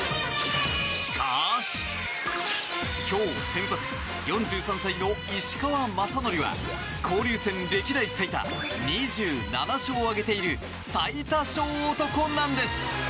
しかし、今日先発４３歳の石川雅規は交流戦歴代最多２７勝を挙げている最多勝男なんです。